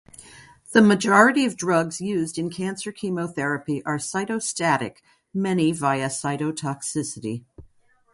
The majority of drugs used in cancer chemotherapy are cytostatic, many via cytotoxicity.